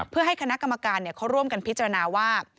เพื่อให้คณะกรรมการเขาร่วมกันพิจารณาว่า